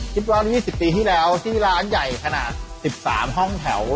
สิบร้อยสิบปีที่แล้วที่ร้านใหญ่ขนาดสิบสามห้องแถว